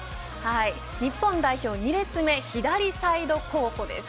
日本代表２列目左サイド候補です。